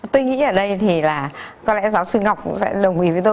tôi nghĩ ở đây thì là có lẽ giáo sư ngọc cũng sẽ đồng ý với tôi